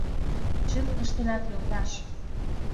— Чын ыштенат, йолташ!